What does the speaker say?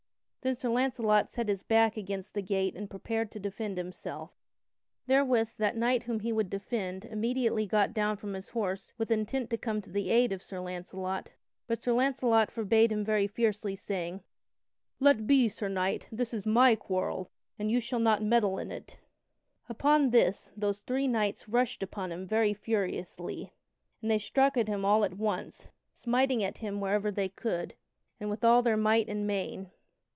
Then Sir Launcelot set his back against the gate and prepared to defend himself. Therewith that knight whom he would defend immediately got down from his horse with intent to come to the aid of Sir Launcelot, but Sir Launcelot forbade him very fiercely, saying: "Let be, Sir Knight, this is my quarrel, and you shall not meddle in it." [Sidenote: Sir Launcelot does battle with three knights] Upon this, those three knights rushed upon him very furiously, and they struck at him all at once, smiting at him wherever they could and with all their might and main.